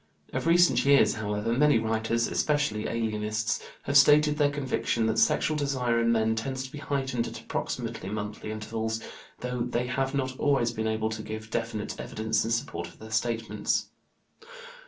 Of recent years, however, many writers, especially alienists, have stated their conviction that sexual desire in men tends to be heightened at approximately monthly intervals, though they have not always been able to give definite evidence in support of their statements.